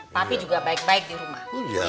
tapi juga baik baik di rumah